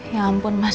ya ampun mas